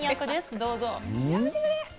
どうぞ。